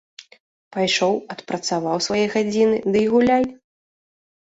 Пайшоў, адпрацаваў свае гадзіны ды і гуляй.